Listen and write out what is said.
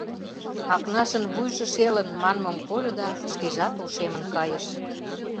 «Акнашын вуйжо шелын» манмым кольо да шкежат ошемын кайыш.